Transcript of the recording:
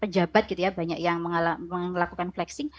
pejabat gitu ya banyak yang melakukan flexing